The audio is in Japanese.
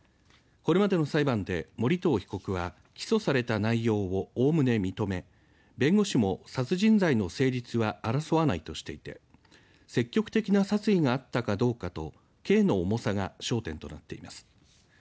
これまでの裁判で盛藤被告は起訴された内容をおおむね認め弁護士も殺人罪の成立は争わないとしていて積極的な殺意があったかどうかと刑の重さが焦点となっています。